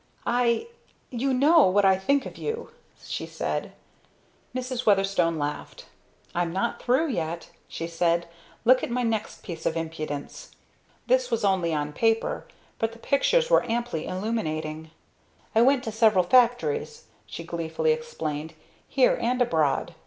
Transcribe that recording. "I you know what I think of you!" she said. Mrs. Weatherstone laughed. "I'm not through yet," she said. "Look at my next piece of impudence!" This was only on paper, but the pictures were amply illuminating. "I went to several factories," she gleefully explained, "here and abroad.